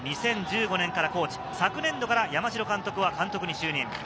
２０１５年からコーチ、昨年度から山城監督は監督に就任。